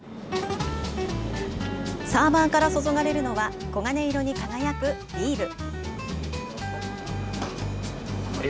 サーバーから注がれるのは、黄金色に輝くビール。